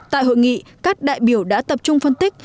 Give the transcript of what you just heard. tại hội nghị các đại biểu đã tập trung phân tích